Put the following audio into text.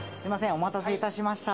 お待たせいたしました